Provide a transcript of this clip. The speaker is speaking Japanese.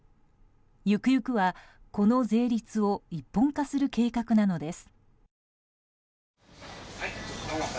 ゆくゆくは、この税率を一本化する計画なのです。